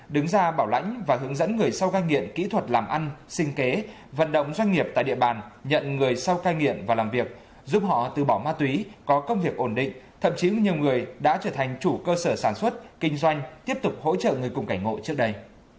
đứng ra bảo lãnh và hướng dẫn người sau cai nghiện kỹ thuật làm ăn sinh kế vận động doanh nghiệp tại địa bàn nhận người sau cai nghiện và làm việc giúp họ từ bỏ ma túy có công việc ổn định thậm chí nhiều người đã trở thành chủ cơ sở sản xuất kinh doanh tiếp tục hỗ trợ người cùng cảnh ngộ trước đây